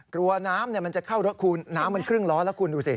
กลัวน้ำมันจะเข้าน้ำมันครึ่งล้อแล้วคุณดูสิ